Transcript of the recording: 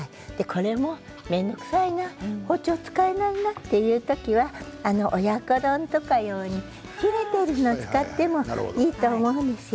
これも面倒くさいな包丁が使えないなっていう時は親子丼とか用に切れているのを使ってもいいと思うんですよ。